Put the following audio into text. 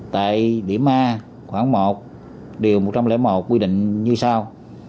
tại điểm a khoảng một điều một trăm linh một quy định như sau